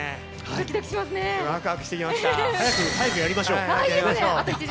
早くやりましょう。